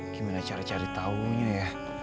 gimana cara cari tahunya ya